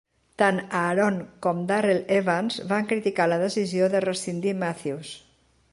Tant Aaron com Darrell Evans, van criticar la decisió de rescindir Mathews.